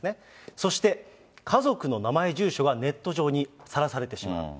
そして家族の名前、住所がネット上にさらされてしまう。